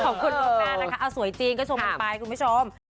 ขอบคุณล่วงหน้านะคะเอาสวยจริงก็ชมกันไปคุณผู้ชม